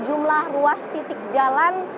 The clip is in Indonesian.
sejumlah ruas titik jalan